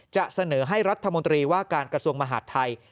จะเสนอให้รัฐมนตรีว่าการกระทรวงมหาดไทย